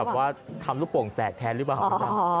อาจจะให้น้องแบบว่ารูปโปรงทำแตกแทนรึเปล่า